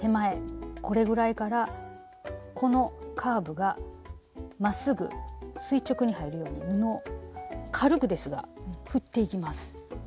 これぐらいからこのカーブがまっすぐ垂直に入るように布を軽くですが振っていきます。